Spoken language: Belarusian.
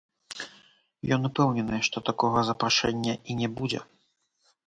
Ён упэўнены, што такога запрашэння і не будзе.